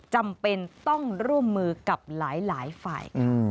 จำเป็นต้องร่วมมือกับหลายฝ่ายค่ะ